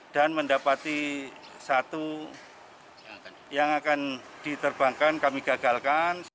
dan mendapati satu yang akan diterbangkan kami gagalkan